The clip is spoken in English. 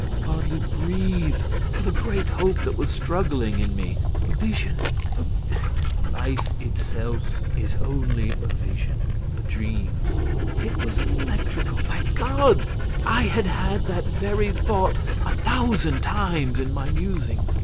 I could hardly breathe for the great hope that was struggling in me. "A vision? a vi " "Life itself is only a vision, a dream." It was electrical. By God! I had had that very thought a thousand times in my musings!